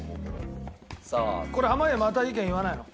これ濱家また意見言わないの？